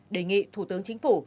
đề nghị thủ tướng chính phủ